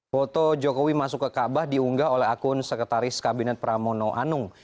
foto jokowi masuk ke kaabah diunggah oleh akun sekretaris kabinet pramono anung